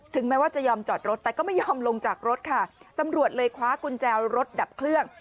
แม้ว่าจะยอมจอดรถแต่ก็ไม่ยอมลงจากรถค่ะตำรวจเลยคว้ากุญแจรถดับเครื่อง